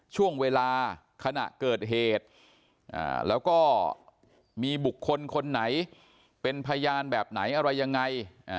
ช่วงเวลาขณะเกิดเหตุแล้วก็มีบุคคลคนไหนเป็นพยานแบบไหนอะไรยังไง